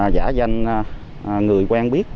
giả danh người quen biết